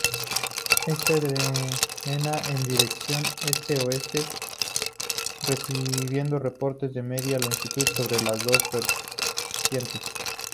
Este drena en dirección este-oeste, recibiendo aportes de mediana longitud sobre las dos vertientes.